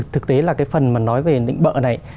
thực tế là cái phần mà nói về định bợ này